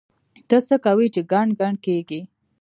ته څه کوې چې ګڼ ګڼ کېږې؟!